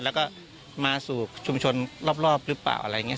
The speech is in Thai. แล้วก็มาสู่ชุมชนรอบหรือเปล่าอะไรอย่างนี้